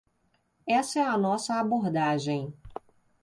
Essa é a nossa abordagem.